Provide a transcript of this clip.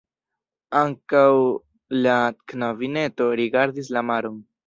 Ankaŭ la knabineto rigardis la maron.